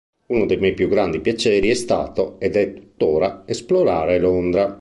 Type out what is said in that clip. Uno dei miei più grandi piaceri è stato, ed è tuttora, esplorare Londra.